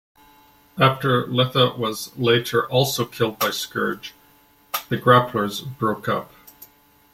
After Letha was later also killed by Scourge, the Grapplers broke up.